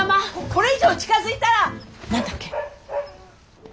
・ここれ以上近づいたら何だっけ。